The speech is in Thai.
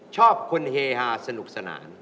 ชอบคนเฮฮาสนุกสนาน